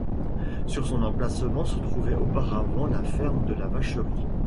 Sur son emplacement se trouvait auparavant la ferme de la Vacherie.